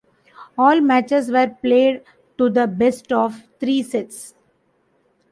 All matches were played to the best of three sets.